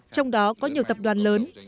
trong đó có nhiều tập đoàn lớn